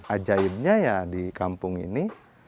ajaibnya ya di kampung ini